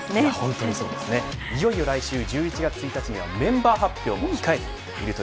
いよいよ来週１１月１日にはメンバー発表も控えています。